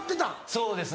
そうですね